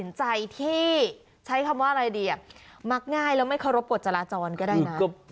ใจที่ใช้คำว่าอะไรดีมักง่ายแล้วไม่เคารพกฎจราจรก็ได้นะ